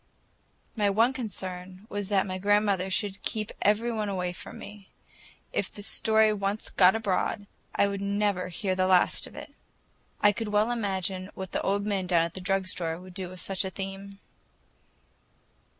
My one concern was that grandmother should keep every one away from me. If the story once got abroad, I would never hear the last of it. I could well imagine what the old men down at the drug store would do with such a theme.